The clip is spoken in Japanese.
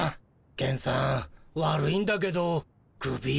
ケンさん悪いんだけどクビ。